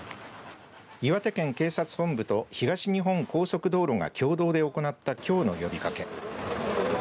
岩手県警察本部と東日本高速道路が共同で行ったきょうの呼びかけ。